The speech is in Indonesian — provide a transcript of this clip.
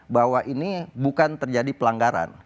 bahwa ini bukan terjadi pelanggaran